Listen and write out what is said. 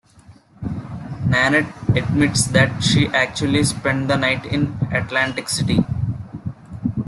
Nanette admits that she actually spent the night in Atlantic City.